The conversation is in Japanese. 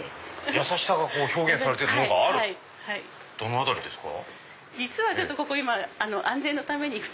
優しさが表現されてるものがあるどの辺りですか？